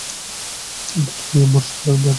দূরে গিয়ে মর, শালার মাটিমানব!